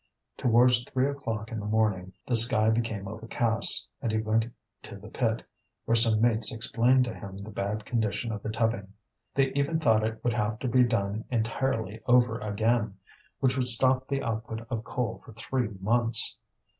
Towards three o'clock in the morning the sky became overcast, and he went to the pit, where some mates explained to him the bad condition of the tubbing; they even thought that it would have to be done entirely over again, which would stop the output of coal for three months.